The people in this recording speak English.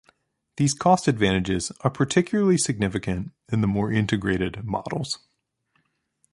These cost advantages are particularly significant in the more integrated models.